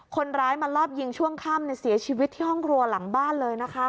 คนร้ายมาลอบยิงช่วงค่ำเสียชีวิตที่ห้องครัวหลังบ้านเลยนะคะ